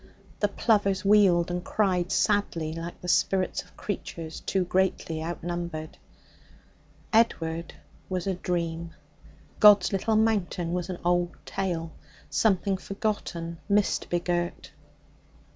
The plovers wheeled and cried sadly like the spirits of creatures too greatly outnumbered. Edward was a dream; God's Little Mountain was an old tale something forgotten, mist begirt.